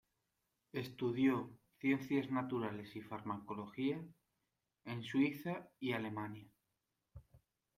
Estudió Ciencias Naturales y Farmacología en Suiza y Alemania.